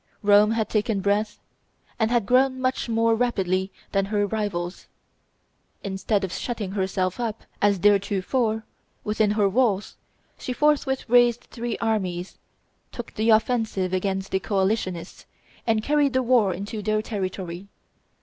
Rome had taken breath, and had grown much more rapidly than her rivals. Instead of shutting herself up, as heretofore, within her walls, she forthwith raised three armies, took the offensive against the coalitionists, and carried the war into their territory.